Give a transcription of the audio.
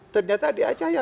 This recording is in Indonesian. ternyata di aceh ya